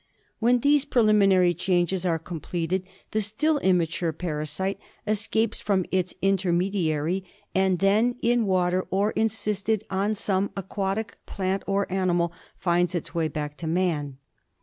When these pre liminary changes are completed the still immature para site escapes from its intermediary, and then in water, or encysted on some aquatic plant or animal, finds its way back to man.